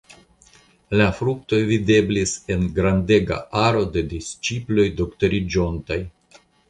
La fruktoj videblis en grandega aro da disĉiploj doktoriĝontaj.